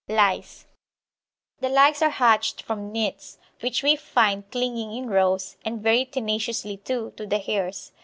LICE. The lice are hatched from nits, which we find clinging in rows, and very tenaciously too, to the hairs.